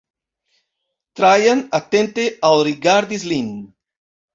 Trajan atente alrigardis lin.